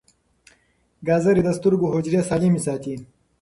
ګازرې د سترګو حجرې سالمې ساتي.